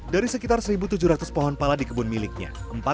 dari sekitar satu tujuh ratus pohon pala di kebun miliknya